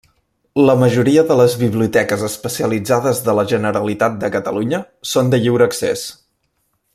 La majoria de les Biblioteques especialitzades de la Generalitat de Catalunya són de lliure accés.